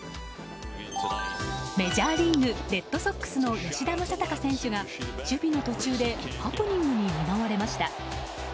メジャーリーグレッドソックスの吉田正尚選手が守備の途中でハプニングに見舞われました。